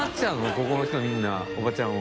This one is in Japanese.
ここの人みんなおばちゃんは？